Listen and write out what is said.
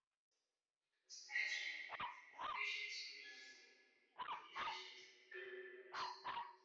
The statute of limitations period for filiation is thirty years.